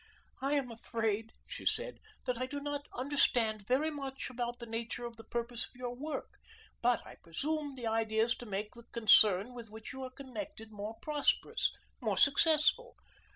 "I am afraid," she said, "that I do not understand very much about the nature or the purpose of your work, but I presume the idea is to make the concern with which you are connected more prosperous more successful?"